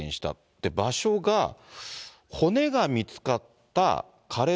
って場所が、骨が見つかったかれ